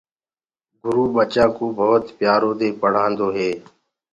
گُرو ٻچآنٚ ڪوُ ڀوت پيآرو دي پڙهآندو هي۔